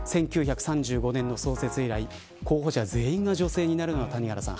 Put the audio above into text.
１９３５年の創設以来候補者全員が女性になるのは谷原さん